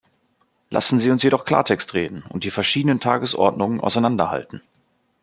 Lassen Sie uns jedoch Klartext reden und die verschiedenen Tagesordnungen auseinander halten.